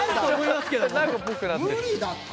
無理だって。